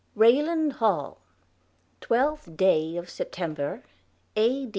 Raylande Hall, 12th day of September, A.